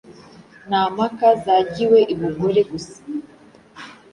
Nta mpaka zagiwe i Bugore-gusa